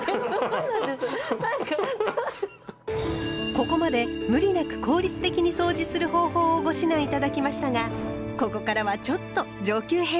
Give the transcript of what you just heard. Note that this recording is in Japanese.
ここまで無理なく効率的にそうじする方法をご指南頂きましたがここからはちょっと上級編。